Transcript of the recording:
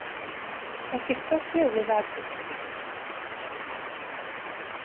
É que está cheo de datos!